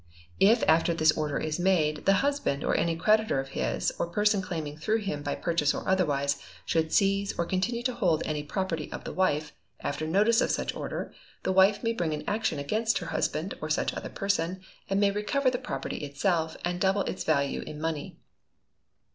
If after this Order is made, the husband, or any creditor of his, or person claiming through him by purchase or otherwise, should seize or continue to hold any property of the wife, after notice of such order, the wife may bring an action against her husband or such other person, and may recover the property itself, and double its value in money.